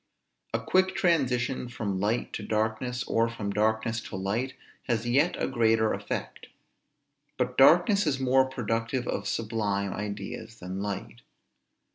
A quick transition from light to darkness, or from darkness to light, has yet a greater effect. But darkness is more productive of sublime ideas than light.